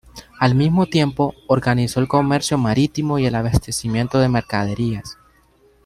Al mismo tiempo, organizó el comercio marítimo y el abastecimiento de mercaderías.